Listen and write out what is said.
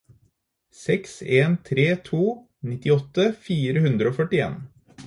seks en tre to nittiåtte fire hundre og førtien